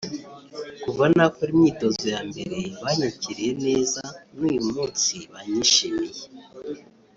Kuva nakora imyitozo ya mbere banyakiriye neza n’uyu munsi banyishimiye